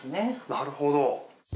なるほど。